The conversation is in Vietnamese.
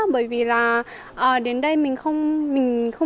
bởi vì đến đây mình không biết